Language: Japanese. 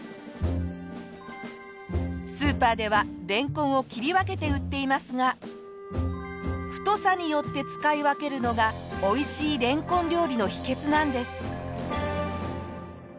スーパーではれんこんを切り分けて売っていますが太さによって使い分けるのがおいしいれんこん料理の秘訣なんです。